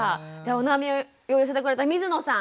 お悩みを寄せてくれた水野さん